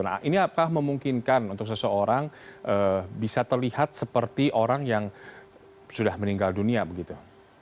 nah ini apakah memungkinkan untuk seseorang bisa terlihat seperti orang yang sudah meninggal dunia begitu